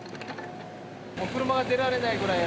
もう車が出られないぐらいだ